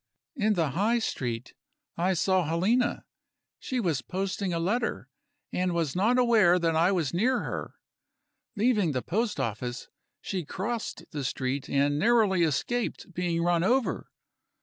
In the High Street, I saw Helena; she was posting a letter, and was not aware that I was near her. Leaving the post office, she crossed the street, and narrowly escaped being run over.